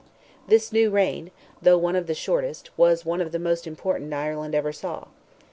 This new reign, though one of the shortest, was one of the most important Ireland ever saw.